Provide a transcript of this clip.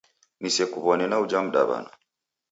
Nisekuw'one na uja mdaw'ana